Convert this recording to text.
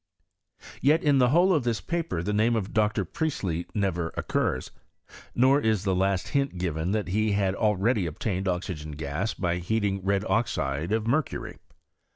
"flt««fty T)P CHEMIBTttT. "^^^ Yet in the whole of tliis paper the name of Dr. Priestley never occurs, nor is the least hint girea that he bad already obtained oxygen gas by heating red oxide of mercury.